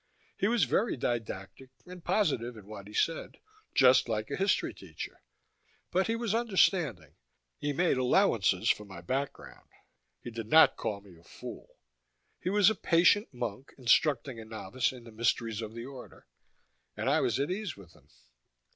He was very didactic and positive in what he said, just like a history teacher. But he was understanding. He made allowances for my background; he did not call me a fool. He was a patient monk instructing a novice in the mysteries of the order, and I was at ease with him.